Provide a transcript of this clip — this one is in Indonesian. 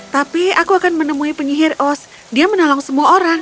tapi aku akan menemui penyihir os dia menolong semua orang